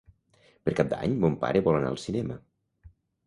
Per Cap d'Any mon pare vol anar al cinema.